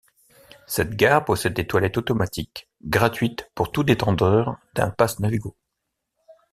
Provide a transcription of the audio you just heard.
Cette gare possède des toilettes automatiques, gratuites pour tout détenteur d'un pass Navigo.